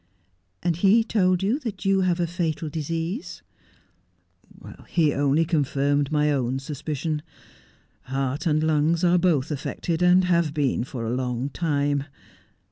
' And he told you that you have a fatal disease 1 '' He only confirmed my own suspicion. Heart and lungs are both affected, and have been for a long time.